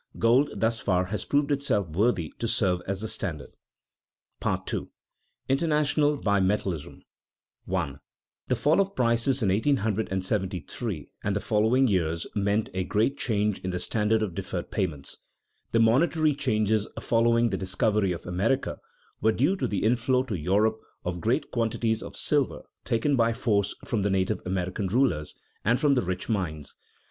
Gold thus far has proved itself worthy to serve as the standard. § II. INTERNATIONAL BIMETALLISM [Sidenote: Examples of price fluctuations] 1. The fall of prices in 1873 and the following years meant a great change in the standard of deferred payments. The monetary changes following the discovery of America were due to the inflow to Europe of great quantities of silver taken by force from the native American rulers, and from the rich mines.